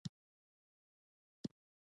ژوندلیکونه ټاکلې فني ځانګړنې نه لري.